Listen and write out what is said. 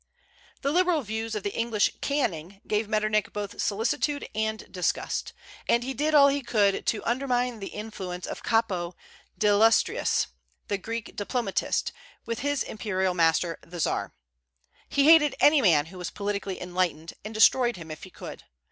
The liberal views of the English Canning gave Metternich both solicitude and disgust; and he did all he could to undermine the influence of Capo D'Istrias, the Greek diplomatist, with his imperial master the Czar. He hated any man who was politically enlightened, and destroyed him if he could.